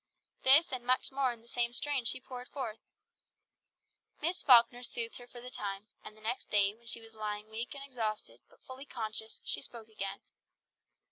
This and much more in the same strain she poured forth. Miss Falkner soothed her for the time, and the next day when she was lying weak and exhausted, but fully conscious, she spoke again.